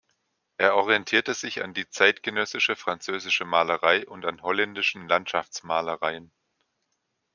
Er orientierte sich an die zeitgenössische französische Malerei und an holländischen Landschaftsmalereien.